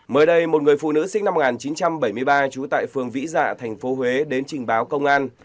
mới đây một người phụ nữ sinh năm một nghìn chín trăm bảy mươi ba trú tại phường vĩ dạ tp huế đến trình báo công an